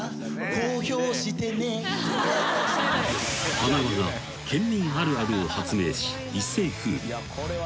［はなわが県民あるあるを発明し一世風靡］